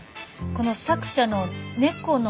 この作者のねこ